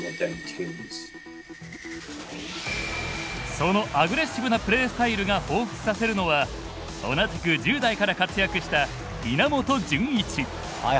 そのアグレッシブなプレースタイルがほうふつさせるのは同じく１０代から活躍した稲本潤一。